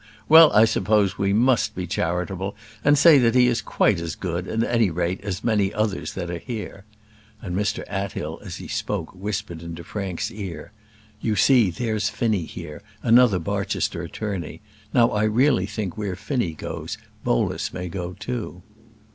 Well, I suppose we must be charitable, and say that he is quite as good, at any rate, as many others there are here " and Mr Athill, as he spoke, whispered into Frank's ear, "You see there's Finnie here, another Barchester attorney. Now, I really think where Finnie goes Bolus may go too."